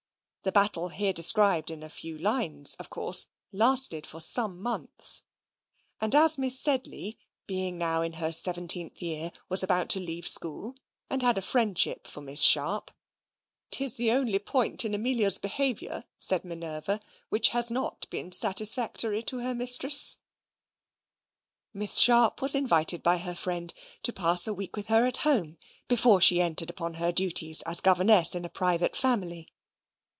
The battle here described in a few lines, of course, lasted for some months. And as Miss Sedley, being now in her seventeenth year, was about to leave school, and had a friendship for Miss Sharp ("'tis the only point in Amelia's behaviour," said Minerva, "which has not been satisfactory to her mistress"), Miss Sharp was invited by her friend to pass a week with her at home, before she entered upon her duties as governess in a private family.